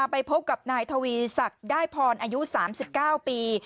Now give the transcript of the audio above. ไปพบกับนายทวีศักดิ์ได้พรอายุ๓๙ปี